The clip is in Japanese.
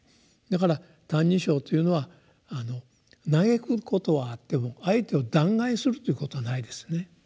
だから「歎異抄」というのは歎くことはあっても相手を弾劾するということはないですね。